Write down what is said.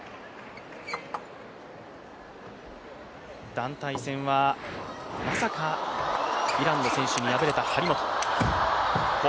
団体戦は、まさかイランの選手に敗れた張本。